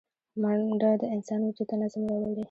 منډه د انسان وجود ته نظم راولي